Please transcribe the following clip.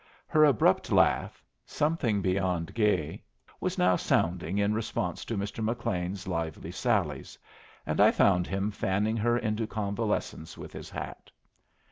Her abrupt laugh, something beyond gay, was now sounding in response to Mr. McLean's lively sallies, and I found him fanning her into convalescence with his hat.